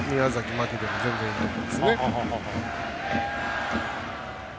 牧でも全然いいと思うんですね。